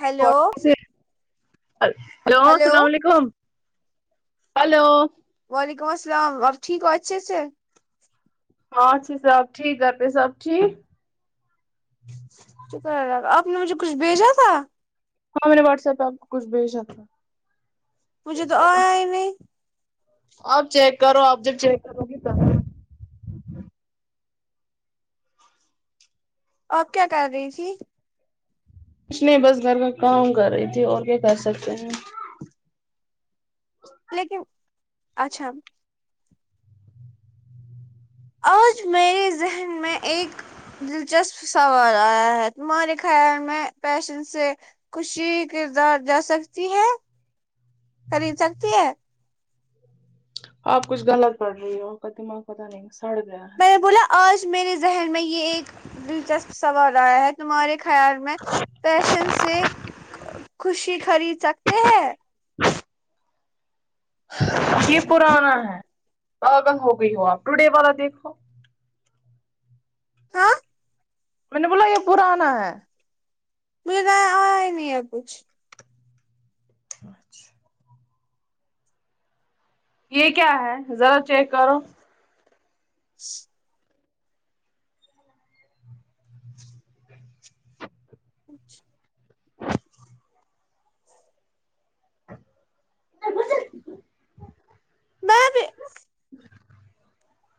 Hello hello اللام علیکم hello وعلیکم السلام آپ ٹھیک ہو اچھے سے ہاں اچھے سے آپ ٹھیک گھر پہ سب ٹھیک شکرالله کا آپ نے مجھے کچھ بھیجا تھا ہاں میں نے واٹس ایپ پہ آپ کچھ بھیجا تھا مجھے چیک تو کرو آیا ہی نہیں اب چیک کرو اپ جب چیک کرو گی تو آپ کیا کر رہی تھی کچھ نہیں بس گھر کا کام کر رہی تھی اور کیا کر سکتے ہیں لیکن اچھا آج میرے ذہن میں ایک دلچسپ سوال آیا ہے تمہارے خیال میں پیشن سے خوشی کردار جا سکتی ہے خرید سکتی ہے آپ کچھ غلط پڑھ رہی ہو اور کا دماغ پتاہ نہیں سڑ گیا میں ہے بولا آج میرے ذہن میں یہ ایک دلچسپ سوال آیا ہے تمہارے خیال میں پیشن سے خوشی خرید سکتے ہیں یہ پرانا ہے پاگل ہو گئی ہو آپ ٹوڈے والا دیکھو ہاں مینے بولا یہ پرانا ہے مجھے آ ہی نہیں ہے کچھ اچھا یہ کیا ہے ذرا چیک کرو کچھ میں بی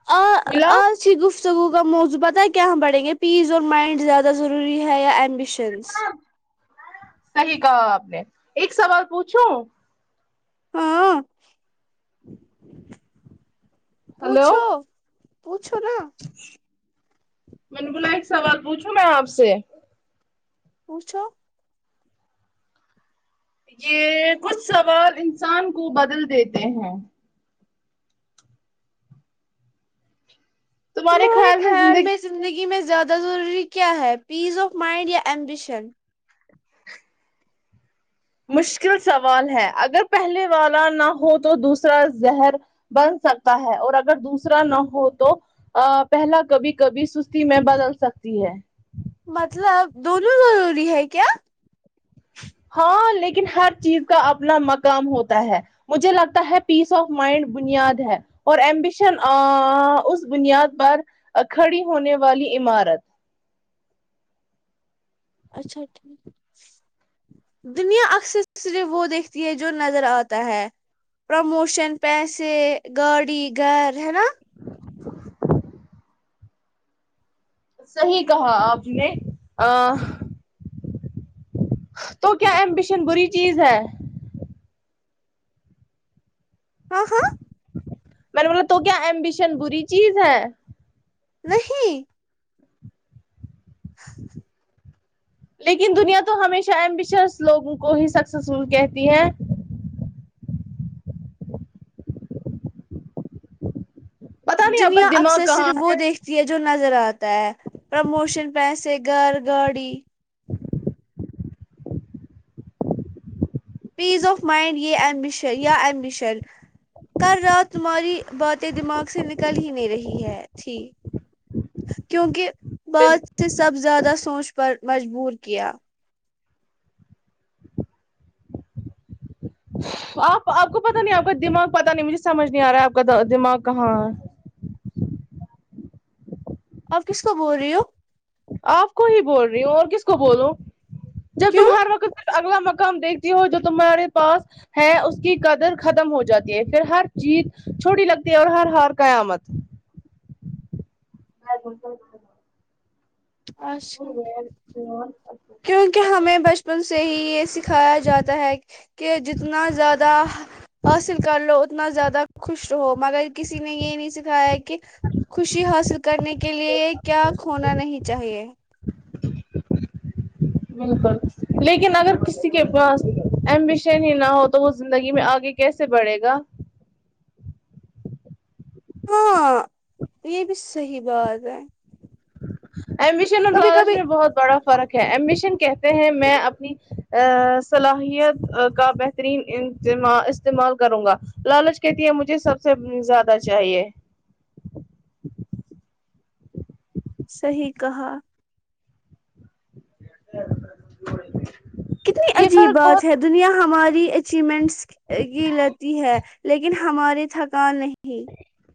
آ ملا آ اچھی گفتگو کا موضو پتا ہے کیا ہم بڑھیں گے پیس اور مائنڈ زیادہ ضروری ہے یا ایمبیشنس صحیح کہا آپ نے ایک سوال پوچھوں ہاں ہلو پوچھو پوچھو نا میں نے بولا ایک سوال پوچھوں میں آپ سے پوچھو یہ کچھ سوال انسان کو بدل دیتے ہیں تمہارے خیال میں زندگی میں زیادہ ضروری کیا ہے پیس آف مائنڈ یا ایمبیشن مشکل سوال ہے اگر پہلے والا نہ ہو تو دوسرا زہر بن سکتا ہے اور اگر دوسرا نہ ہو تو ا پہلا کبھی کبھی سستی میں بدل سکتی ہے مطلب دونوں ضروری ہے کیا ہاں لیکن ہر چیز کا اپنا مقام ہوتا ہے مجھے لگتا ہے پیس آف مائنڈ بنیاد ہے اور ایمبیشن آ آں اس بنیاد پر کھڑی ہونے والی عمارت اچھا ٹھیک دنیا اکثر صرف وہ دیکھتی ہے جو نظر آتا ہے پرموشن پیسے گاڑی گھر ہے نا [inaudible] صحیح کہا آپ نے آآ تو کیا ایمبیشن بری چیز ہے ہاں ہاں میں نے بولا تو کیا امبیشن بری چیز ہے نہیں لیکن دنیا تو ہمیشہ ایمبشس لوگوں کو ہی سکسیسفل کہتی ہے پتا نہیں آپ کا دنیا دماغ اکثر کہاں صرف وہ ہے دیکھ تی یہ جو نظر آتا ہے پرموشن پیسے گھر گاڑی پیس آف مائنڈ یہ ایمبشن یا ایمبشل کل رات تمہاری باتیں دماغ سے نکل ہی نہیں رہی ہے۔۔ تھی کیونکہ بات تیں سب زیادہ سوچ پر مجبور کیا آپ آپ کو پتا نہیں آپ کا دماغ پتا نہیں مجھے سمجھ نہیں آ رہا ہے آپ کا دماغ کہاں ہے آپ کس کو بول رہی ہو آپ کو ہی بول رہی ہوں اور کس کو بولو جب تم کیوں ہر وقت اگلا مقام دیکھتی ہو جو تمہارے پاس ہے اس کی قدر ختم ہو جاتی ہے پھر ہر چیز چھوٹی لگتی ہے اور ہر ہار قیامت آ [unintelligible] اچھا تم اور کیونکہ ہمیں بچپن سے ہی یہ سکھایا جاتا ہے کہ جتنا زیادہ حاصل کر لو اتنا زیادہ خوش رہو مگر کسی نے یہ نہیں سکھایا ہے کہ خوشی حاصل کرنے کے لیے کیا کھونا نہیں چاہیے [inaudible] بالکل لیکن اگر کسی کے پاس ایمبیشن ہی نہ ہو تو وہ زندگی میں آگے کیسے بڑھے گا اں یہ بھی صحیح بات ہے ایمبیشن اور کبھی لالچ کبھی میں بہت بڑا فرق ہے امبیشن کہتے ہیں میں اپنی آا صلاحیت کا بہ ترین ع دما استعمال کروں گا لالچ کہتی ہے مجھے سب سے زیادہ چاہیے صحیح کہا [inaudible] کتنی عجیب فرق بہت بات ہے دنیا ہماری اچیومنٹس کی لیتی ہے لیکن ہماری تھکان نہیں [inaudible]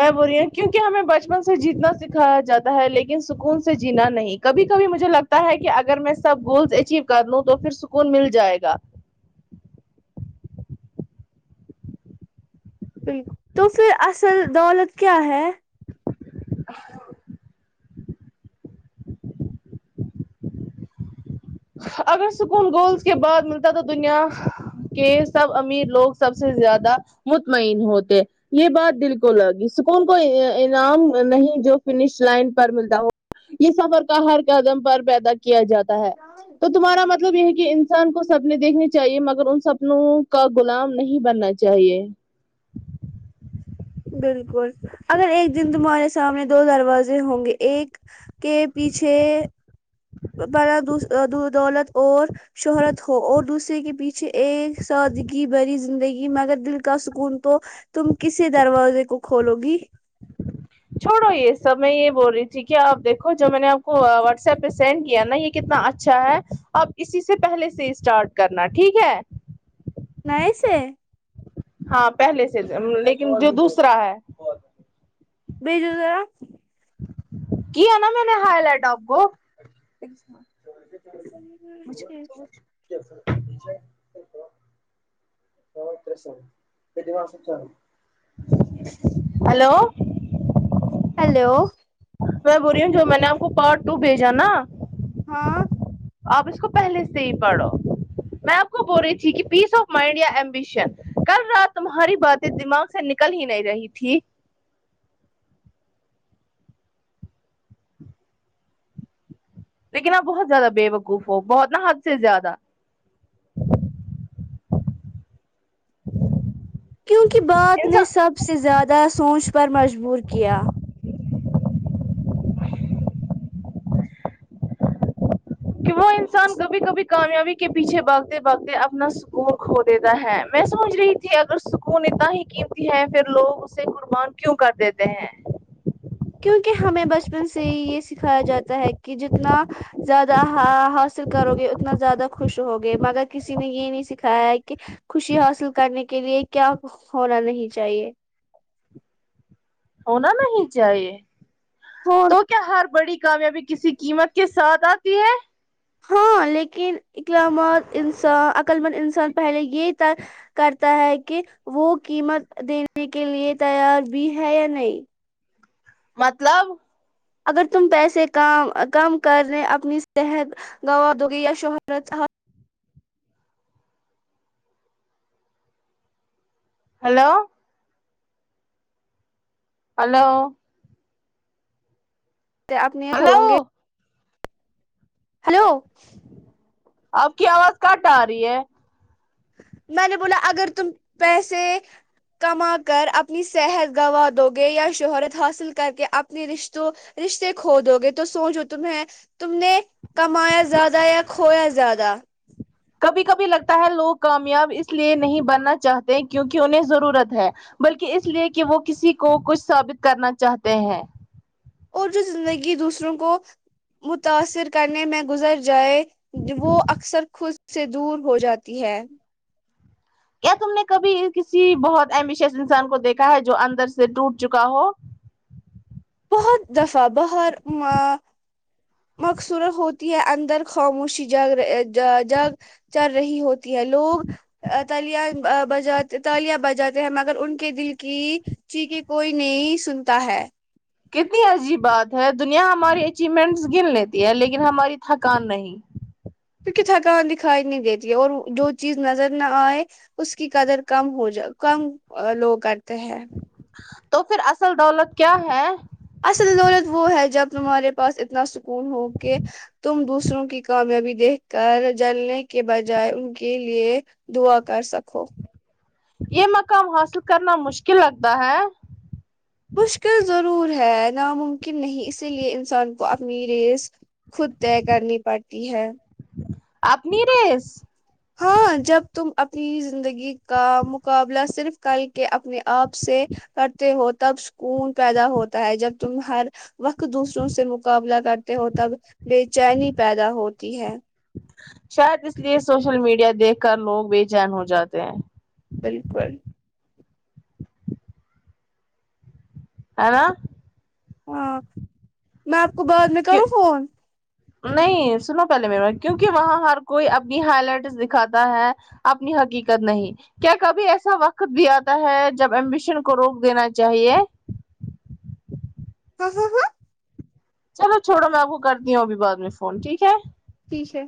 میں بول رہی ہوں کیونکہ ہمیں بچپن سے جیتنا سکھایا جاتا ہے لیکن سکون سے جینا نہیں کبھی کبھی مجھے لگتا ہے کہ اگر میں سب گولس اچیو کر لوں تو پھر سکون مل جائے گا بالکل تو پھر اصل دولت کیا ہے آ [unintelligible] اگر سکون گولز کے بعد ملتا تو دنیا کہ سب امیر لوگ سب سے زیادہ مطمئن ہوتے یہ بات دل کو لگی سکون کوئی انعام نہیں جو فنش لائن پر ملتا ہو یہ سفر کا ہر قدم پر پیدا کیا جاتا ہے تو تمہارا مطلب یہ ہے کہ انسان کو سپنے دیکھنے چاہیے مگر ان سپنوں کا غلام نہیں بننا چاہیے بالکل اگر ایک دن تمہارے سامنے دو دروازے ہوں گے ایک کے پیچھے بڑادو دو دولت اور شہرت ہو اور دوسرے کے پیچھے ایک سادگی بھری زندگی مگر دل کا سکون تو تم کسی دروازے کو کھولو گی چھوڑو یہ سب میں یہ بول رہی تھی کہ آپ دیکھو جو میں نے آپ کو واٹس ایپ پہ سینڈ کیا نا یہ کتنا اچھا ہے اب اسی سے پہلے سے اسٹارٹ کرنا ٹھیک ہے نئے سے ہاں پہلے سے لیکن جو دوسرا ہے بھیجو ذرا کیا نہ میں نے ہائی لائٹ آپ کو [unintelligible] [unintelligible] ہلو ہیلو میں بول ریو جو میں نے آپ کو پا ر ٹ ٹو بھیجا نا ہاں آپ اس کو پہلے سے ہی پڑھو میں آپ کو بول رہی تھی کہ پیس آف مائنڈ یا ایم بشن کل رات تمہاری باتیں دماغ سے نکل ہی نہیں رہی تھی لیکن آپ بہت زیادہ بےوقوف ہو بہت نا حد سے زیادہ کیونکہ بات نے انسان سب سے زیادہ سوچ پر مجبور کیا کہ وہ انسان کبھی کبھی کامیابی کے پیچھے بھا گتے باگتے اپنا سکون کھو دیتا ہے میں سمجھ رہی کہ اگر سکون اتنا ہی قیمتی ہے پھر لوگ اسے قربان کیوں کر دیتے ہیں کیونکہ ہمیں بچپن سے ہی یہ سکھایا جاتا ہے کہ جتنا زیادہ حا حاصل کرو گے اتنا زیادہ خوش ر ہوگے مگر کسی نے یہ نہیں سکھایا کہ خوشی حاصل کرنے کے لیے کیا ہونا نہیں چاہیے ہونا نہیں چاہیے فون تو کیا ہر بڑی کامیابی کسی قیمت کے ساتھ آتی ہے ہاں لیکن اقلااما ند انسا عقلمند انسان پہلے یہ طے کرتا ہے کہ وہ قیمت دینے کے لیے تیار بھی ہے یا نہیں مطلب اگر تم پیسے کا م کم کرے اپنی صحت گوا دو گی یا شہرت ہیلو ہلو کہ اپ نہیں کھولوں گی ہلو ہلو آپ کی آواز کٹ آ رہی ہے میں نے بولا اگر تم پیسے کما کر اپنی صحت گوا دو گے یا شہرت حاصل کر کے اپنی رشتوں رشتے کھو دو گے تو سوچو تمہیں تم نے کمایا زیادہ یا کھویا زیادہ کبھی کبھی لگتا ہے لوگ کامیاب اس لیے نہیں بننا چاہتے کیونکہ انہیں ضرورت ہے بلکہ اس لیے کہ وہ کسی کو کچھ ثابت کرنا چاہتے ہیں اور جو زندگی دوسروں کو متاثر کرنے میں گزر جائے وہ اکثر خود سے دور ہو جاتی ہے کیا تم نے کبھی کسی بہت ایمبشس انسان کو دیکھا ہے جو اندر سے ٹوٹ چکا ہو بہت دفعہ بہرما مقصورت ہوتی ہے اندر خاموشی جگ رے جاجا گ چر رہی ہوتی لوگ تلیا بجات تالیاں بجاتے ہیں مگر ان کے دل کی چیخیں کوئی نہیں سنتا ہے کتنی عجیب بات ہے دنیا ہماری اچیومنٹس گن لیتی ہے لیکن ہماری تھکان نہیں کیونکہ تھکان دکھائی نہیں دیتی ہے اور جو چیز نظر نہ آئے اس کی قدر کم ہو جا کم لوگ کرتے ہیں تو پھر اصل دولت کیا ہے اصل دولت وہ ہے جب تمہارے پاس اتنا سکون ہو کہ تم دوسروں کی کامیابی دیکھ کر جلنے کے بجائے ان کے لیے دعا کر سکو یہ مقام حاصل کرنا مشکل لگتا ہے مشکل ضرور ہے ناممکن نہیں اسی لیے انسان کو اپنی ریس خود طے کرنی پڑتی ہے آپنی ریس ہاں جب تم اپنی زندگی کا مقابلہ صرف کل کے اپنے آپ سے کرتے ہو تب سکون پیدا ہوتا ہے جب تم ہر وقت دوسروں سے مقابلہ کرتے ہو تب بے چینی پیدا ہوتی ہے شاید اس لیے سوشل میڈیا دیکھ کر لوگ بے چین ہو جاتے ہیں بالکل آینا ہاں میں آپ کو بعد میں کی کروں فون نہیں سنو پہلے میرے کیونکہ ہاں ہر کوئی اپنی ہائی لائٹ دکھاتا ہے اپنی حقیقت نہیں کیا کبھی ایسا وقت بھی آتا ہے جب ایمبیشن کو روک دینا چاہیے [unintelligible] چلو چھوڑو میں آپ کو کرتی ہوں ابھی بعد میں فون ٹھیک ہے ٹھیک ہے